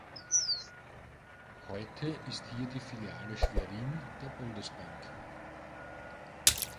Heute ist hier die Filiale Schwerin der Bundesbank.